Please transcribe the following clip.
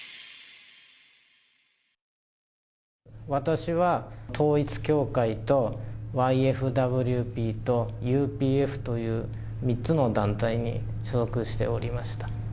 私は統一教会とＹＦＷＰと、ＵＰＦという、３つの団体に所属しておりました。